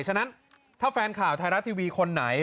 ฉะนั้นถ้าแฟนข่าวไทยรัฐทีวีคนไหน